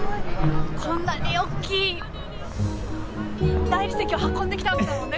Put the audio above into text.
こんなに大きい大理石を運んできたわけだもんね